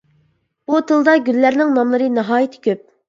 بۇ تىلدا گۈللەرنىڭ ناملىرى ناھايىتى كۆپ.